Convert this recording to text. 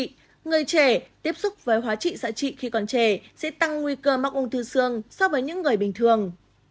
tránh tiếp xúc với hóa trị xã trị khi còn trẻ sẽ tăng nguy cơ mọc ung thư xương so với những người bình thường